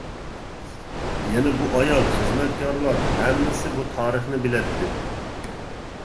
يەنە بۇ ئايال خىزمەتكارلار ھەممىسى بۇ تارىخىنى بىلەتتى.